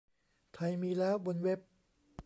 ไทยมีแล้วบนเว็บ